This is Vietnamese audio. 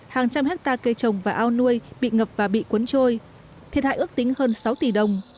hàng trăm hectare cây trồng và ao nuôi bị ngập và bị cuốn trôi thiệt hại ước tính hơn sáu tỷ đồng